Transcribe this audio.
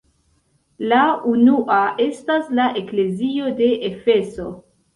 La unua estas la eklezio de Efeso.